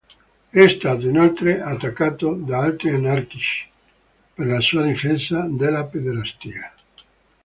È stato inoltre attaccato da altri anarchici per la sua difesa della pederastia.